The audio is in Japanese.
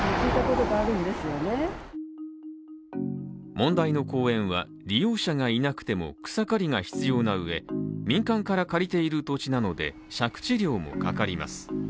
問題の公園は利用者がいなくても草刈りが必要な上、民間から借りている土地なので借地料もかかります。